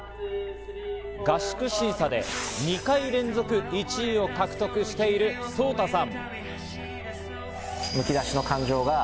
合宿審査で２回連続１位を獲得しているソウタさん。